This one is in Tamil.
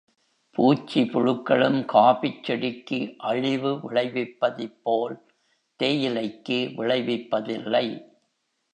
பூச்சி புழுக்களும் காஃபிச் செடிக்கு அழிவு விளைவிப்பதைப் போல் தேயிலைக்கு விளைவிப்பதில்லை.